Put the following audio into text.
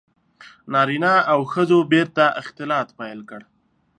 • نارینه او ښځو بېرته اختلاط پیل کړ.